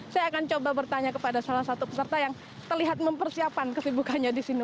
saya akan coba bertanya kepada salah satu peserta yang terlihat mempersiapkan kesibukannya di sini